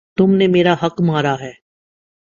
تم نے میرا حق مارا ہے